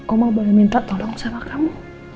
oma boleh minta tolong sama kamu